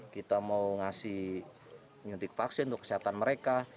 kita mau ngasih nyuntik vaksin untuk kesehatan mereka